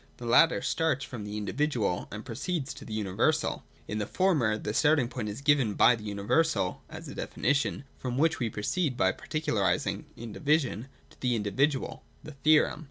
The latter starts from the indi vidual, and proceeds to the universal ; in the former the starting point is given by the universal (as a definition), from which we proceed by particularising (in division) to the individual (the theorem).